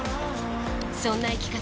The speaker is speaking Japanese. そんな生き方